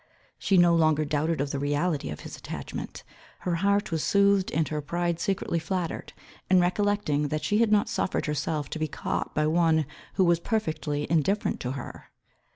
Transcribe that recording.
She no longer doubted of the reality of his attachment. Her heart was soothed, and her pride secretly flattered, in recollecting that she had not suffered herself to be caught by one who was perfectly indifferent to her.